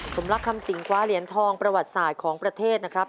สมรักคำสิงคว้าเหรียญทองประวัติศาสตร์ของประเทศนะครับ